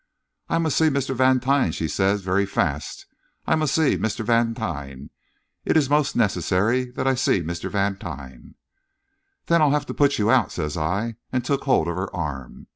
"'I must see Mistaire Vangtine,' she says, very fast. 'I must see Mistaire Vangtine. It is most necessaire that I see Mistaire Vangtine.' "'Then I'll have to put you out,' says I, and took hold of her arm.